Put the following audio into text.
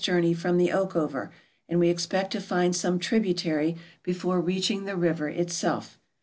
journey from the Oakover, and we expect to find some tributary before reaching the river itself.